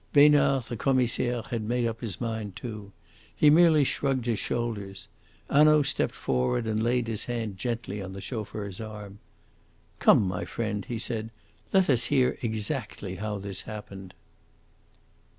Besnard, the Commissaire, had made up his mind, too. He merely shrugged his shoulders. Hanaud stepped forward and laid his hand gently on the chauffeur's arm. "Come, my friend," he said, "let us hear exactly how this happened!"